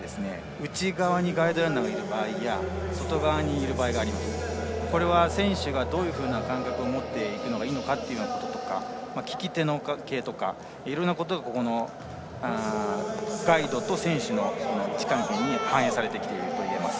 内側にガイドランナーがいる場合や外側にいる場合がありますが選手がどういう感覚を持っていくのがいいのかということとか利き手の関係とかいろいろなことがガイドと選手の位置関係に反映されているといえます。